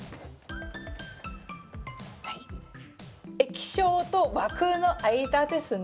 液晶と枠の間ですね。